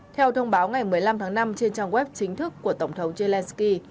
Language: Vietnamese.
theo thông báo ngày một mươi năm tháng năm trên trang web chính thức của tổng thống zelensky